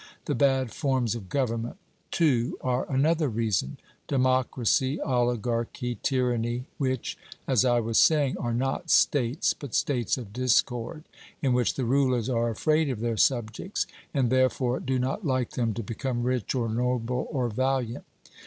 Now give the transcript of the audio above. The bad forms of government (2) are another reason democracy, oligarchy, tyranny, which, as I was saying, are not states, but states of discord, in which the rulers are afraid of their subjects, and therefore do not like them to become rich, or noble, or valiant.